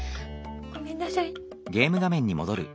ごめんなさい。